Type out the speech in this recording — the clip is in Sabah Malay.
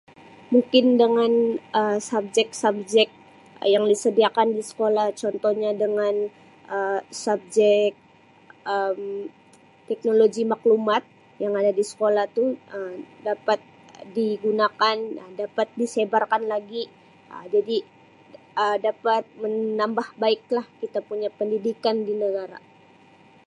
Mungkin dengan Um subjek-subjek yang disediakan disekolah contohnya dengan Um subjek Um teknologi maklumat yang ada di sekolah tu Um dapat digunakan dan dapat disebarkan lagi Um jadi Um dapat menambah baik lah kita punya pendidikan di negara.